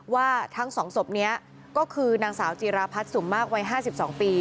ว่าทั้ง๒ศพนี้ก็คือนางสาวจีราพัฒน์สุมมากวัย๕๒ปี